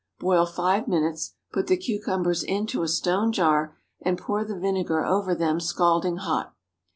Boil five minutes; put the cucumbers into a stone jar, and pour the vinegar over them scalding hot.